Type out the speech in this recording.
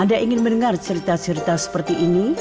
anda ingin mendengar cerita cerita seperti ini